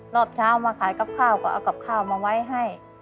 รอบเช้ามาขายกับข้าวก็เอากับข้าวมาไว้ให้